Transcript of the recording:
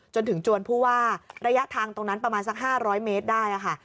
จนจวนผู้ว่าระยะทางตรงนั้นประมาณสัก๕๐๐เมตรได้ค่ะ